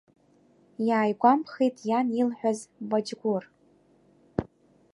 Иааигәамԥхеит иан илҳәаз баџьгәыр.